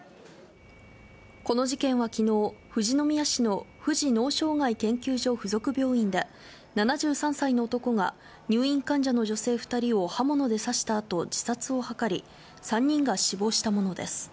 この事件はきのう、富士宮市の富士脳障害研究所付属病院で、７３歳の男が、入院患者の女性２人を刃物で刺したあと、自殺を図り、３人が死亡したものです。